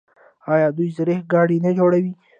آیا دوی زرهي ګاډي نه جوړوي؟